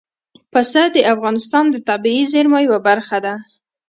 پسه د افغانستان د طبیعي زیرمو یوه برخه ده.